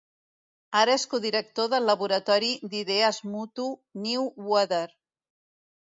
Ara és codirector del laboratori d'idees mutu New Weather.